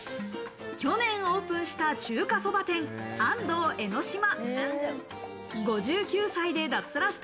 去年オープンした中華そば店、あん藤えのしま。